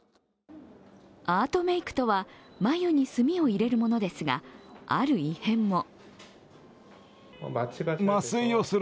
アートメイクとは、眉に墨を入れるものですが、ある異変も。